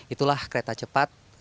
itulah kereta cepat